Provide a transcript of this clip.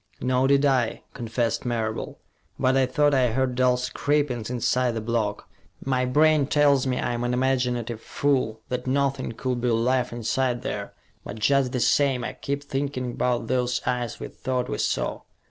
"Nor did I," confessed Marable. "But I thought I heard dull scrapings inside the block. My brain tells me I'm an imaginative fool, that nothing could be alive inside there, but just the same, I keep thinking about those eyes we thought we saw.